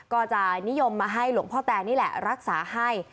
ก็จะนิยมมาให้หลวงพ่อแตนนี่แหละรักษาให้